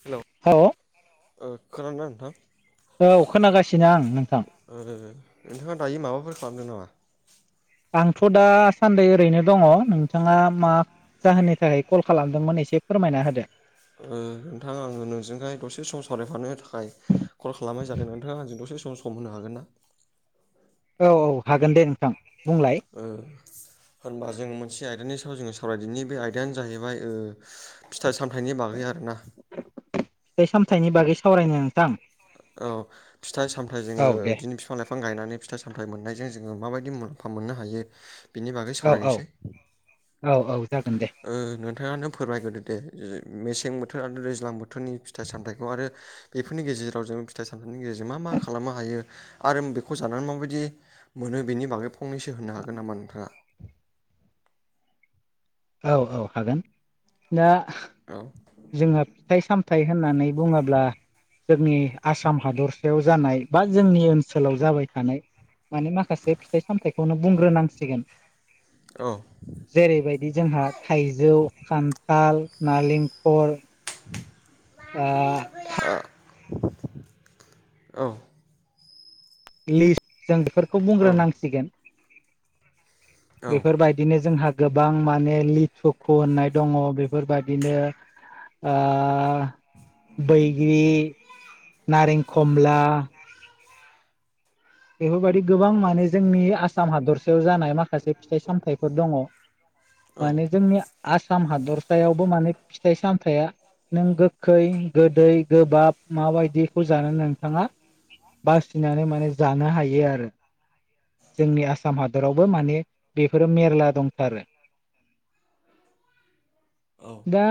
Hello औ ओ खोनादों ना नोंथां औ खोनागासिनो आं नोंथां ओ नोंथाङा दायो माबाफोर खालामदों नामा आंथ' दासान्दि ओरैनो दङ नोंथाङा मा? जाहोननि थाखाय कल खालामदोंमोन एसे फोरमायना होदो ओ नोंथां आङो नोंजोंहाय दसे सम सावरायफानो थाखाय कल खालामनाय जादों नोंथाङा आंजों दसे सम सम होनो हागोन ना औ औ हागोन दे नोंथां बुंलाय ओ होनबा जों मोनसे आयदानि सायाव जोङो सावरायदोंनि बे आयदायानो जाहैबाय ओ फिथाइ सामथाइनि बागै आरोना फिथाइ सामथायाइनि बागै सावरायनो नोंथां औ फिथाइ सामथायाइ जोङो औ दे बिदिनो बिफां लाइफां गायनानै फिथाइ सामथायाइ मोननायजों जोङो माबायदि मुलाम्फा मोननो हायो। बिनि बागै औ औ सावरायनोसै औ औ जागोन दे ओ नोंथाङानो फोरमायग्रोदो दे मेसें बोथोर आरो दैज्लां बोथोर थोरनि फिथाइ सामथाइखौ आरो बेफोरनि गेजेराव जों फिथाइ सामथाइनि गेजेरजों मा मा खालामनो हायो आरो बेखौ जानानै माबायदि मोनो बेनि बागै फंनैसो होननो हागोन नामा नोंथाङा औ औ हागोन दा औ जोङो फिथाइ सामथाइ होननानै बुङोब्ला जोंनि आसाम हादरसायाव जानाय बा जोंनि ओनसोलाव जाबाय थानाय माने माखासे फिथाइ सामथाइखौनो बुंग्रोनांसिगोन औ जेरैबायदि जोंहा थाइजौ खान्थाल नालेंखर ओ बिबोैया आ औ लिसु जों बेफोरखौ बुंग्रोनांसिगोन औ बेफोरबायदिनो जोंहा गोबां माने लिथुखु होननाय दङ बेफोरबायदिनो ओ बैग्रि नारें खमला बेफोरबायदि गोबां माने जोंनि आसाम हादरसायाव जानाय माखासे फिथाइ सामथायाइफोर दङ [unintelligible] माने जोंनि आसाम हादरसायावबो माने फिथाइ सामथाइया नों गोखै गोदै गोबाब माबायदिखौ जानो नोंथाङा बासिनानै माने जानो हायो आरो जोंनि आसाम हादरावबो माने बेफोरो मेरला दंथारो औ दा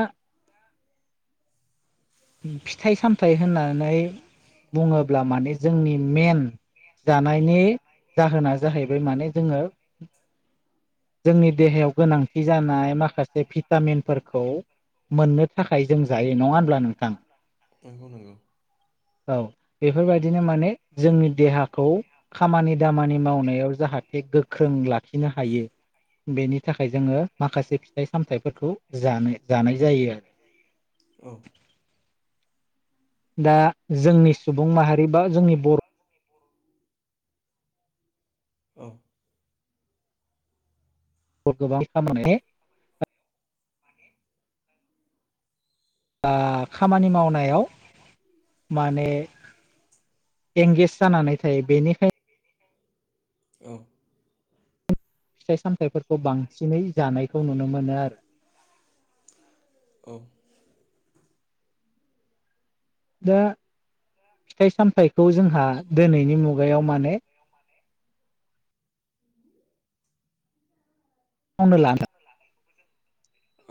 फिथाइ सामथाइ होननानै बुङोब्ला माने जोंनि मेन जानायनि जाहोना जाहैबाय माने जोङो जोंनि देहायाव गोनांथि जानाय माखासे भिटामिनफोरखौ मोननो थाखाय जों जायो नङा होनब्ला नोंथां नंगौ नंगौ औ बेफोरबायदिनो माने जोंनि देहाखौ खामानि दामानि मावनायाव जाहाथे गोख्रों लाखिनो हायो बेनि थाखाय जोङो माखासे फिथाइ सामथायाइफोरखौ जानो जानाय जायो आरो औ दा जोंनि सुबुं माहारि बा जोंनि बर' औ [unintelligible] खामानि मावनायाव माने एंगेज जानानै थायो बेनिखायनो औ फिथाइ सामथायाइफोरखौ बांसिनै जानायखौ नुनो मोनो आरो औ दा फिथाइ सामथायखौ जोंहा दिनैनि मुगायाव माने फाननो लाङो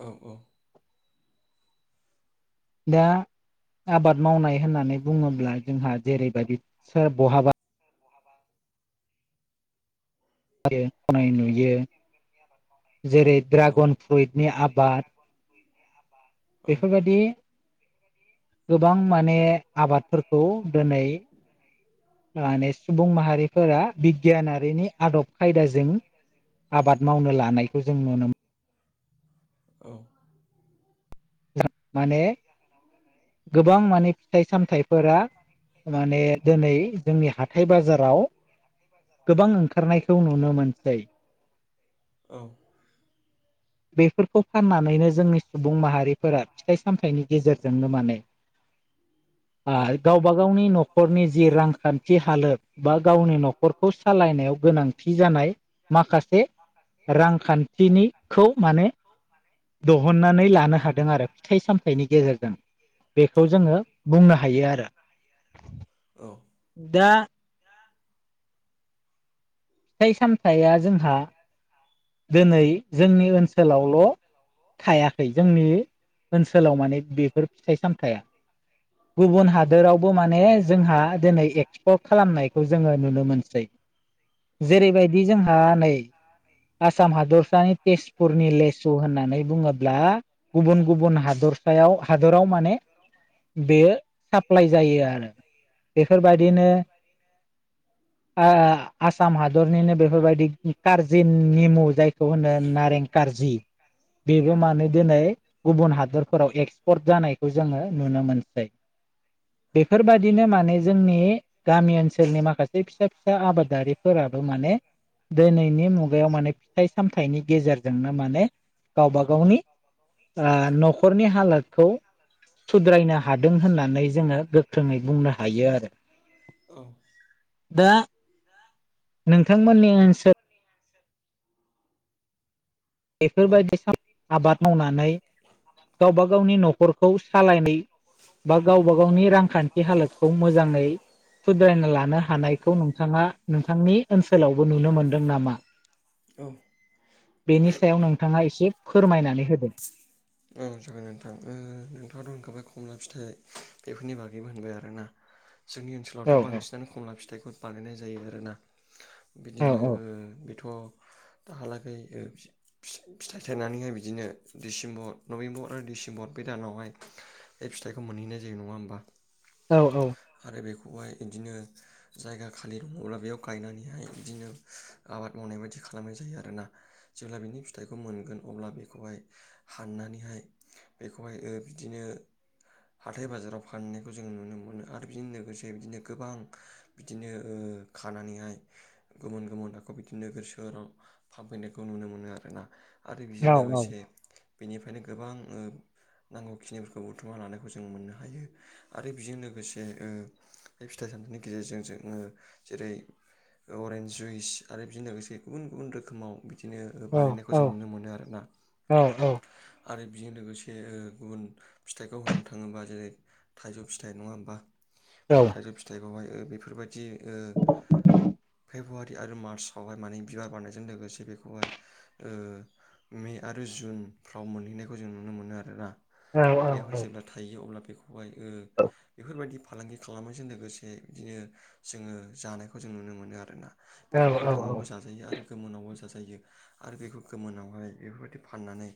औ औ दा आबाद मावनाय होननानै बुङोब्ला जोंहा जेरैबायदि सोर बहाबा [unintelligible] नाय नुयो जेरै ड्रागन फ्रुइटनि आबाद औ बेफोरबायदि गोबां माने आबादफोरखौ दिनै माने सुबुं माहारिफोरा बिगियानारिनि आदब खायदाजों आबाद मावनो लानायखौ जों नुनो मोनो। औ माने जायनि जाहोनावनो गोबां माने फिथाइ सामथाइफोरा माने दिनै जोंनि हाथाय बाजाराव गोबां ओंखारनायखौ नुनो मोनसै। औ बेफोरखौ फाननानैनो जोंनि सुबुं माहारि फोरा फिथाइ सामथाइनि गेजेरजोंनो माने गावबा गावनि न'खरनि जि रांखान्थि हालोद बा गावनि न'खरखौ सालायनायाव गोनांथि जानाय माखासे रांखान्थिनिखौ माने दिहुननानै लानो हा- दों आरो फिथाइ सामथाइनि गेजेरजों बेखौ जोङो बुंनो हायो आरो। दा फिथाइ सामथाइया जोंहा दोनै जोंनि ओनसोलावल' थायाखै जोंनि ओनसोलाव माने बेफोर फिथाइ सामथाइया [inaudible] गुबुन हादोरावबो माने जोंहा दिनै एक्सपर्ट खालामनायखौ जोङो नुनो मोनसै। जेरैबायदि जोंहा नै आसाम हादरसानि तेजपुरनि लेसु होननानै बुङोब्ला गुबुन गुबुन हादरसायाव हादराव माने बेयो साफ्लाय जायो आरो बेफोरबायदिनो ओ आसाम हादरनिनो बेफोरबायदि खारजि जि निमु जायखौ होनो नारें कारजि बेबो मानोे दिनै गुबुन हादरफोराव एक्सपर्ट जानायखौ जोङो नुनो मोनसै। बेफोरबादिनो माने जोंनि गामि ओनसोलनि माखासे फिसा फिसा आबादारिफोराबो माने दिनैनि मु- गायाव माने फिथाइ सामथाइनि गेजेरजोंनो माने गावबा गावनि ओ न'खरनि हालोदखौ सुद्रायनो हादों होननानै जोङो गोख्रोङै बुंनो हायो आरो औ दा नोंथांमोननि ओनसोल औ बेफोरबायदि [unintelligible] आबाद मावनानै गावबा गावनि नखरखौ सालायनाय बा गावबा गावनि रांखान्थि हालोदखौ मोजाङै सुद्रायना लानो हानायखौ नोंथाङा नोंथांनि ओनसोलावबो नुनो मोनदों नामा? औ बेनि सायाव नोंथाङा एसे फोरमायनानै होदो। औ जागोन नोंथां ओ नोंथाङाथ' होनखाबाय खमला फिथाइ बेफोरनि बागैबो होनबाय आरोना जोंनि ओनसोलावथ' औ औ बांसिनानो खमला फिथाइखौ बानायनाय जायो आरोना। औ बिदिनो बिथ' दाहालागै फिथाइ थायनानैहाय बिदिनो डिसेम्बर नभेम्बर माने डिसेम्बर बे दानावहाय बे फिथाइखौ मोनहैनाय जायो नङा ओमबा? औ औ आरो बेखौहाय इदिनो जायगा खालि दङब्ला बेयाव गायनानैहाय बिदिनो आबाद मावनाय बायदि खालामनाय जायो आरोना। जेब्ला बिनि फिथाइखौ मोनगोन अब्ला बेखौहाय हाननानैहाय बेखौहाय ओ बिदिनो हाथाय बाजाराव फानहैनायखौ जों नुनो मोनो आरो बिजों लोगोसे बिदिनो गोबां बिदिनो ओ खानानैहाय गोमोन गोमोन आक' बिदिनो नोगोर सोहोराव फानफैनायखौ नुनो मोनो आरोना। आरो बेजों औ लोगोसे बेनिफ्रायनो गोबां ओ नांगौखिनिफोरखौ बुथुमना लानायखौ जों मोननो हायो। आरो बेजों लोगोसे ओ बे फिथाइ सामथाइनि गेजेरजों जोङो जेरै अरेन्ज जुइस आरो बिदिनो लोगोसे गुबुन गुबुन रोखोमाव बिदिनो औ बानायनायखौ जों नुनो मोनो आरोना औ आरो बेजों लोगोसे ओ गुबुन फिथाइखौ होननो थाङोबा जेरै थाइजौ फिथाइ नङा ओमबा? बे थाइजौ फिथाइखौहाय ओ बेफोरबायदि ओ फेब्रुवारि आरो मार्चआवहाय माने बिबार बारनायजों लोगोसे बेखौहाय ओ मे आरो जुनफ्राव मोनहैनाय खौ जों नुनो मोनो आरोना बेयावहाय जेब्ला थायो अब्ला बेखौहाय ओ बेफोरबायदि फालांगि खालामनायजों लोगोसे बिदिनो जोङो जानायखौ जों नुनो मोनो आरोना। बेखौ गोथाङावबो जा जायो आरो गोमोनावबो जाजायो आरो बेखौ गोमोनावहाय बेफोरबायदि फाननानै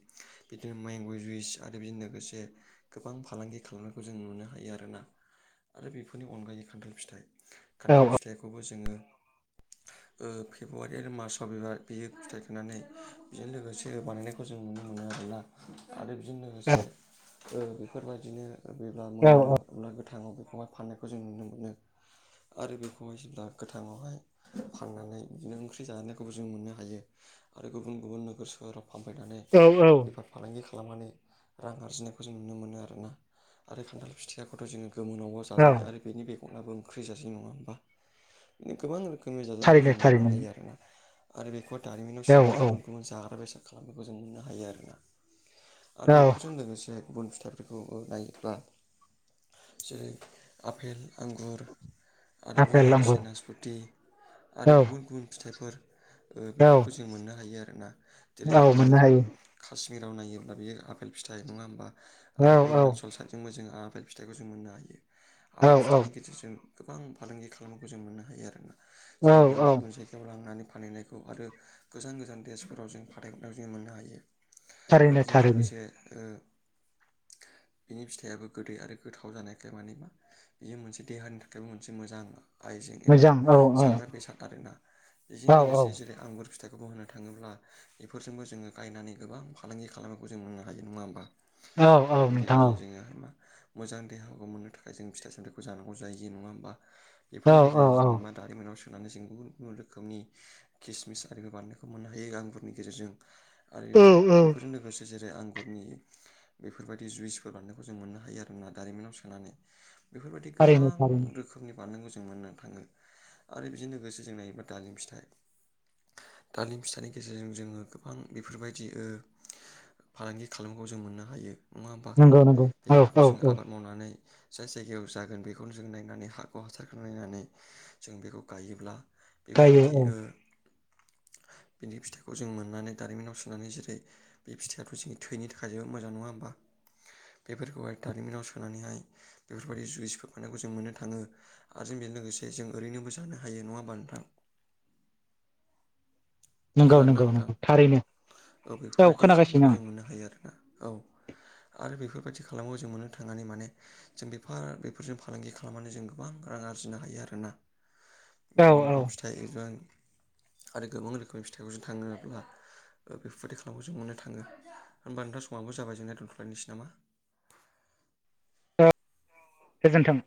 बिदिनो मेंगजुइस आरो बिजोंनो लोगोसे गोबां फालांगि खालामनायखौ जों नुनो हायो आरोना। आरो बेफोरनि अनगायै खान्थाल फिथाइ खान्थाल फिथाइखौबो जोङो ओ फेब्रुवारि आरो मार्चआव बेबेबा बियो फिथाइ थाइनानै बेजों लोगोसे बानायनायखौ जों नुनो मोनो आरोना। आरो बेजों लोगोसे ओ बेफोरबायदिनो बेबा मोननो अब्ला गोथाङाव बेखौहाय फाननायखौ जों नुनो मोनो। आरो बेखौहाय जेब्ला गोथाङावहाय फाननानै बिदिनो ओंख्रि जानायखौबो जों मोननो हायो आरो गुबुन गुबुन नोगोर सोहोराव फानबाय थानाय औ बेफार फालांगि खालामनानै रां आरजिनायखौ जों नुनो मोनो आरोना। आरो खान्थाल फिथाइयाखौथ' जोङो गोमोनावबा औ जाजायो आरो बेनि बेगराबो ओंख्रि जाजायो नङा ओनबा माने गोबां रो खोमनि जाजानायखौ थारैनो जों मोननो थारैनो हायो आरोना आरो बेखौहाय दारिमिनाव औ सोनानै औ गुबुन गुबुन जाग्रा बेसाद खालामनायखौ जों नुनो हायो आरोना‌। आरो औ बेफोरजों लोगोसे गुबुन फिथाइफोरखौबो गायोब्ला जेरै आफेल, आंगुर आरो बेजों आफेल लोगोसे आंगुर नासपथि औ आरो गुबुन गुबुन फिथाइफोर ओ औ बेफोरखौ जों मोननो हायो आरोना जेरै औ ओ मोननो हायो जेराव नायोब्ला बेयो आ आफेल फिथाइ नङा ओमबा औ आरो अरुणाचल साइडजोंबो जोङो आपेल फिथाइखौ जों मोननो हायो औ आफेल फिथाइनि गेजेरजों गोबां फालांगि खालामनायखौ जों मोननो हायो आरोना। औ जेरै गुबुन औ गुबुन जायगा लांनानै फानहैनायखौ आरो गोजान गोजान देसफोराव जों फाथायहरनाय जों मोननो हायो। ओ थारैनो बिजोंनो थारैनो लोगोसे ओ बिनि फिथाइआबो गोदै आरो गोथाव जानायखाय माने मा बेयो मोनसे देहानि थाखायबो मोनसे मोजां आइजें एबा मोजां औ जाग्रा बेसाद आरोना बेजों औ औ लोगोसे जेरै आंगुर फिथाइखौबो होननो थाङोब्ला बेफोरजोंबो जोङो गायनानै गोबां फालांगि खालामनायखौ जों मोननो हायो नङा होमबा औ औ बेफोरनि नोंथां गेजेरजों जोङो मा मोजां देहाखौ मोननो थाखाय जों फिथाइ सामथाइखौ जानांगौ जायो नङा होमबा बेफोरनि औ औ औ गेजेरजों जोङो मा दारिमिनाव सोनानै जों गुबुन गुबुन रोखोमनि किसमिस आरिखौ बानायनायखौ मोननो हायो आंगुरनि गेजेरजों आरो औ औ बेफोरजों लोगोसे जेरै आंगुर फोरनि बेफोरबायदि जुइसफोर बान्नायखौ जों मोननो हायो आरो ना दारिमिनाव सोनानै बेफोरबायदि गोबां थारैनो थारैनो रोखोम फोरनि बारनांगौ जों मोननानै थाङो आरो बेजों लोगोसे जों नायोबा दालिम फिथाइ दालिम फिथानि गेजेरजों जोङो गोबां बेफोरबायदि दि ओ फालांगि खालामनायखौ जों मोननो होयो। नङा होमबा नंगौ नंगौ औ बेफोरखौ औ जों औ आबाद मावनानै जाय जायगायाव जागोन बेखौनो जों नायनानै हाखौ हासारखौ नायनानै जों बेखौ गायोब्ला जायो बेफोरबायदि औ ओ बिनि फिथाइखौ जों मोननानै दारिमिनाव सो सुनानै जेरै बे फिथाइयाथ‌ जोंनि थैनि थाखाय जोबोद मोजां नङा होमबा बेफोरखौहाय दारिमिनाव सोनानैहाय बेफोरबायदि जुइस फाननायखौ जों मोननो थाङो आरो जों बेजों लोगोसे जों ओरैनोबो जानो हायो नङा होमबा नोंथां नंगौ खोनादों ना नंगौ नोंथां नंगौ थारैनो औ बेफोरबायदि खालामनायखौ जों मोननो हायो आरोना औ आरो बेफोरबायदि खालामो जों मोननो थांनानै माने जों बेफार बेफोरजों फालांगि खालामनानै जों गोबां रां आरजिनो हायो आरोना आं औ गुबुन-गुबुन फिथाइ एबा आरो गोबां रोखोमनि फिथाइखौ जों [unintelligible] ओ बेफोरबायदि खालामनायखौ जों मोननो थाङो होमबा नोंथां समाबबो जाबाय जोंनाय दोनथ'लायनोसै नामा औ गोजोन्थों